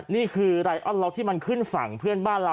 นี่คือไลออนล็อกที่มันขึ้นฝั่งเพื่อนบ้านเรา